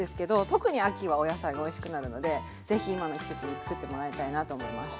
特に秋はお野菜がおいしくなるのでぜひ今の季節に作ってもらいたいなと思います。